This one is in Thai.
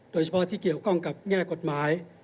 โดยเฉพาะที่เกี่ยวข้องกับแง่กฎหมาย